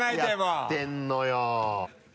何やってるのよ！